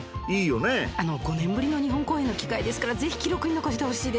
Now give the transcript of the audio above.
５年ぶりの日本公演の機会ですからぜひ記録に残してほしいです。